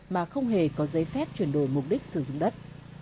mà không hề có giấy phép chuyển đổi mục đích sử dụng đất